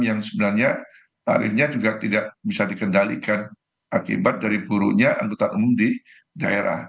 yang sebenarnya tarifnya juga tidak bisa dikendalikan akibat dari buruknya anggota umum di daerah